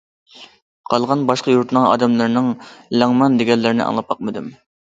قالغان باشقا يۇرتنىڭ ئادەملىرىنىڭ لەڭمەن دېگەنلىرىنى ئاڭلاپ باقمىدىم.